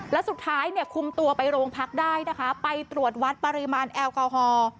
แล้วสุดท้ายเนี่ยคุมตัวไปโรงพักได้นะคะไปตรวจวัดปริมาณแอลกอฮอล์